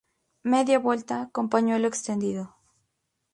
Media vuelta, con pañuelo extendido.